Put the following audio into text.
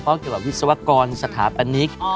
เพราะวิศวกรสถาปนิก